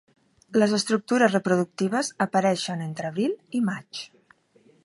Les estructures reproductives apareixen entre abril i maig.